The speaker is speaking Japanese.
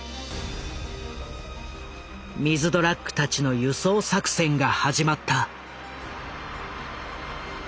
ミズドラックたちの輸送作戦が始まった。